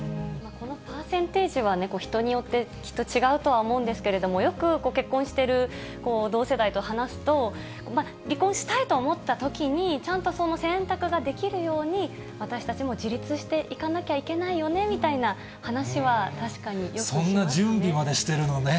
このパーセンテージはね、人によってきっと違うとは思うんですけれども、よく結婚してる同世代と話すと、離婚したいと思ったときに、ちゃんとその選択ができるように、私たちも自立していかなきゃいけないよねみたいな話は、確かによくしますね。